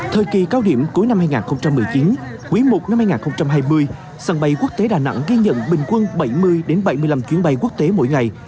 thời kỳ cao điểm cuối năm hai nghìn một mươi chín quý i năm hai nghìn hai mươi sân bay quốc tế đà nẵng ghi nhận bình quân bảy mươi bảy mươi năm chuyến bay quốc tế mỗi ngày